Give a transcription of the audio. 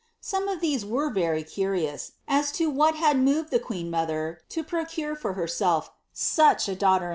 Some of these were very curious, as to what had ftoved the queen mother to procure for herself such a daughter in law.